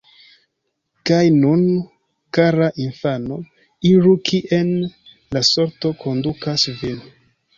Kaj nun, kara infano, iru kien la sorto kondukas vin.